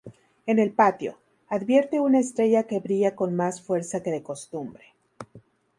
En el patio, advierte una estrella que brilla con más fuerza que de costumbre.